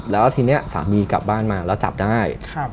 แล้วทีนี้สามีกลับบ้านมาแล้วจับได้